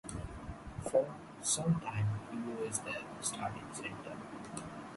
For some time, he was their starting center.